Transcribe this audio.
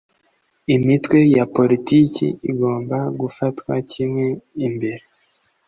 imitwe ya politiki igomba gufatwa kimwe imbere